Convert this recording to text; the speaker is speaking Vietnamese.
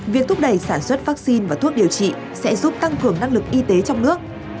việc thúc đẩy sản xuất vaccine và thuốc điều trị sẽ giúp tăng cường năng lực y tế trong nước